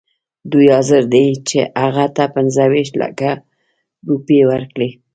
دوی حاضر دي هغه ته پنځه ویشت لکه روپۍ ورکړي.